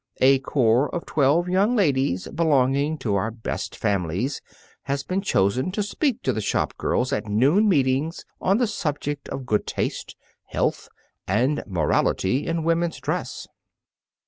A corps of twelve young ladies belonging to our best families has been chosen to speak to the shop girls at noon meetings on the subject of good taste, health, and morality in women's dress.